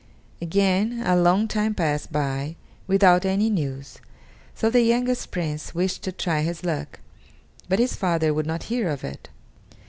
Again a long time passed by without any news, so the youngest Prince wished to try his luck, but his father would not hear of it.